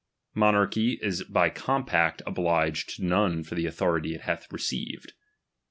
Monarchy Is by com pact oblig^ to none for the authority it hath received.